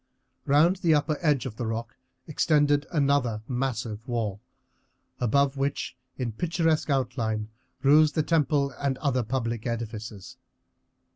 Round the upper edge of the rock extended another massive wall, above which in picturesque outline rose the temple and other public edifices.